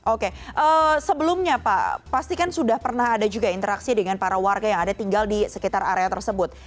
oke sebelumnya pak pastikan sudah pernah ada juga interaksi dengan para warga yang ada tinggal di sekitar area tersebut